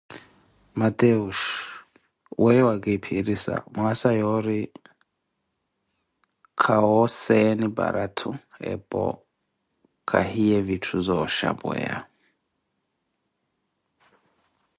Mateus, weeyo wakiphirisa mwaasa yoori khawoseeni parathu, epo khahiye vitthu zooxhapweya.